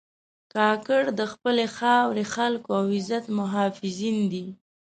کاکړ د خپلې خاورې، خلکو او عزت محافظین دي.